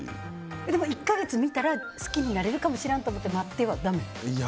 でも１か月見たら好きになるかもしれんってのでもだめ？